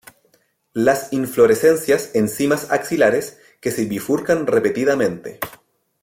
Las inflorescencias en cimas axilares, que se bifurcan repetidamente.